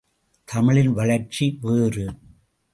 தமிழின் வளர்ச்சி வேறு!